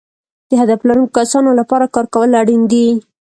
د هدف لرونکو کسانو لپاره کار کول اړین دي.